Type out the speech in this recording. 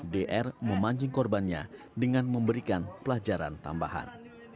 dr memancing korbannya dengan memberikan pelajaran tambahan